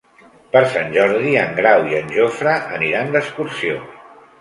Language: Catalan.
Per Sant Jordi en Grau i en Jofre aniran d'excursió.